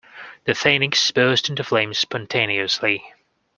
The phoenix burst into flames spontaneously.